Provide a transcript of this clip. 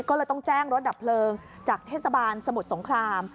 ก็เลยต้องแจ้งรถดับเพลิงจากเทศบาลสมุทรสงคราม